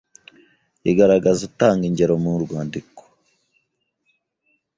igaragaze utanga ingero mu mwandiko